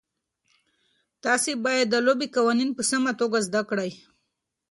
تاسي باید د لوبې قوانین په سمه توګه زده کړئ.